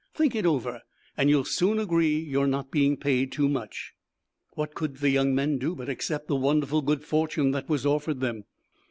Think it over, and you'll soon agree you're not being paid too much." What could the young men do but accept the wonderful good fortune that was offered them?